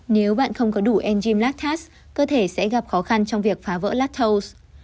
nếu bạn không có đủ enzyme lactase cơ thể sẽ gặp khó khăn trong việc phá vỡ lactose